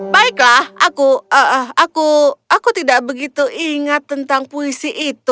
baiklah aku tidak begitu ingat tentang puisi itu